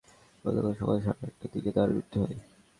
সেখানে চিকিৎসাধীন অবস্থায় গতকাল সকাল সাড়ে আটটার দিকে তাঁর মৃত্যু হয়।